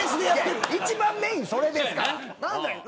一番メーンがそれですから。